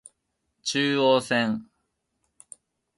中央線